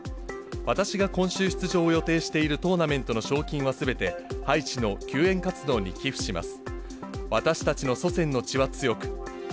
私が今週出場を予定しているトーナメントの賞金はすべてハイチの救援活動に寄付します。